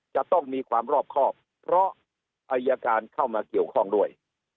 จะต้องมีความรอบครอบเพราะอายการเข้ามาเกี่ยวข้องด้วย